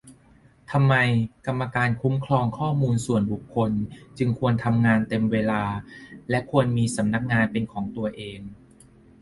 ทำไม กรรมการคุ้มครองข้อมูลส่วนบุคคล จึงควรทำงานเต็มเวลา และควรมีสำนักงานเป็นของตัวเอง